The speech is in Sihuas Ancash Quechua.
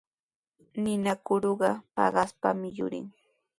Ninakuruqa paqaspami yurin.